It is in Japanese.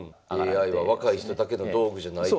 「ＡＩは若い人だけの道具じゃない」と。